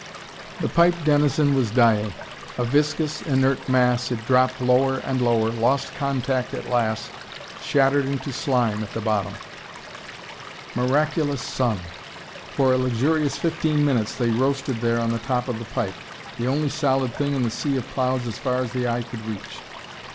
The pipe denizen was dying. A viscous, inert mass, it dropped lower and lower, lost contact at last, shattered into slime at the bottom. Miraculous sun! For a luxurious fifteen minutes they roasted there on the top of the pipe, the only solid thing in a sea of clouds as far as the eye could reach.